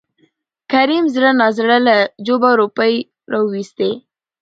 کريم زړه نازړه له جوبه روپۍ راوېستې.